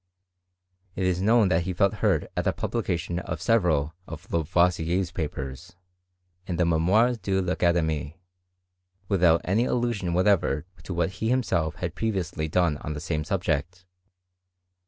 It is known that he felt hurt at the publication of several of Lavoisier's papers, in the Memoires de TAcademie, without any allusion whatever to what he himself had previously done on the same subject.